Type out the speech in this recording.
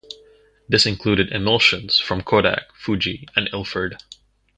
This included emulsions from Kodak, Fuji and Ilford.